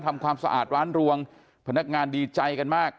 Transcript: ทำความสะอาดร้านรวงพนักงานดีใจกันมาก